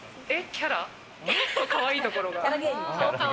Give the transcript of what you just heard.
キャラ、かわいいところが。